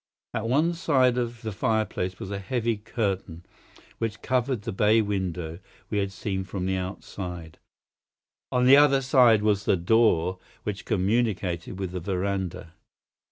At one side of the fireplace was a heavy curtain, which covered the bay window we had seen from outside. On the other side was the door which communicated with the veranda.